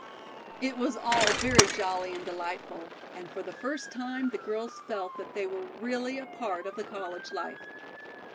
'" It was all very jolly and delightful, and for the first time the girls felt that they were really a part of the college life.